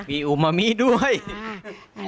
มีอุมามิด้วย